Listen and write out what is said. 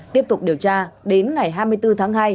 tiếp tục điều tra đến ngày hai mươi bốn tháng hai